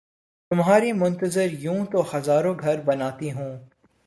تمہاری منتظر یوں تو ہزاروں گھر بناتی ہوں